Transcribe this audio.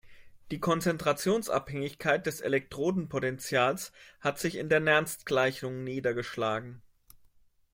Die Konzentrationsabhängigkeit des Elektrodenpotentials hat sich in der Nernst-Gleichung niedergeschlagen.